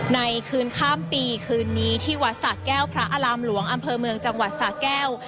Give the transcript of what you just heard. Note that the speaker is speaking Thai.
ในคืนข้ามปีคืนนี้ที่วัดสะแก้วพระอารามหลวงอำเภอเมืองจังหวัดสะแก้ว